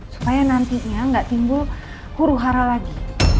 supaya nantinya nggak timbul huru hara lagi